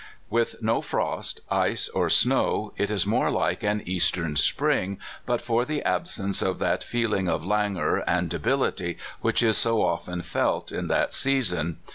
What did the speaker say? With no frost, ice, or snow, it is more like an Eastern spring, but for the absence of that feeling of languor and debility which is so often felt in that season.